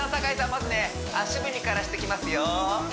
まずね足踏みからしてきますよ